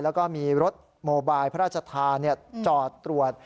และมีรถโมไบพระราชฌาจอดตรวจ